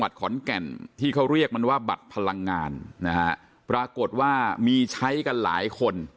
ขอนแก่นที่เขาเรียกมันว่าบัตรพลังงานนะฮะปรากฏว่ามีใช้กันหลายคน